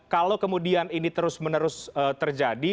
kalau kemudian ini terus menerus terjadi